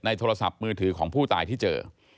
โทรศัพท์มือถือของผู้ตายที่เจอ